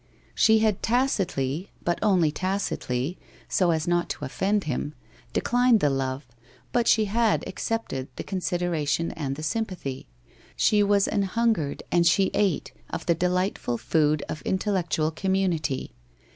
She had tacitly — but only tacitly, so as not to offend him — declined the love, but she had accepted the consid eration and the sympathy. She was an hungered and she ate, of the delightful food of intellectual community.